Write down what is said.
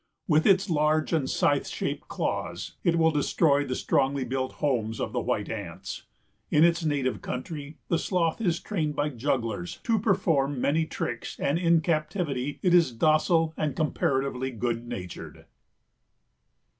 With its large and scythe shaped claws it will destroy the strongly built homes of the white ants. In its native country the Sloth is trained by jugglers to perform many tricks and in captivity it is docile and comparatively good natured.